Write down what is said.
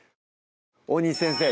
大西先生